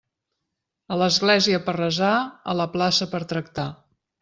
A l'església per resar, a la plaça per tractar.